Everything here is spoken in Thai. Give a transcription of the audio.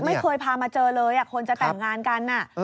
ไม่เคยพามาเจอเลยคนจะแต่งงานกัน